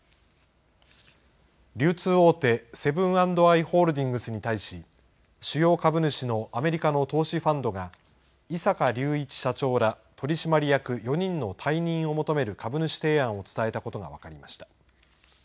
流通大手、セブン＆アイ・ホールディングスに対し、主要株主のアメリカの投資ファンドが、井阪隆一社長ら、取締役４人の退任を求める株主提案を伝えたことが分かりました。